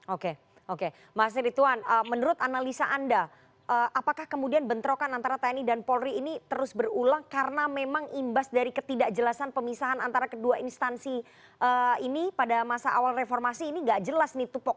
oke oke mas rituan menurut analisa anda apakah kemudian bentrokan antara tni dan polri ini terus berulang karena memang imbas dari ketidakjelasan pemisahan antara kedua instansi ini pada masa awal reformasi ini nggak jelas nih tupok